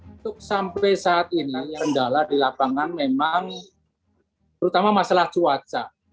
untuk sampai saat ini kendala di lapangan memang terutama masalah cuaca